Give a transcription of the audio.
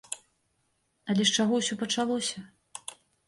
Але з чаго ўсё пачалося.